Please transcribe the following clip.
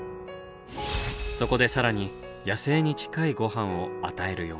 そこで更に野生に近いごはんを与えるように。